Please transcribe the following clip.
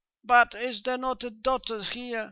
"But is there not a daughter here?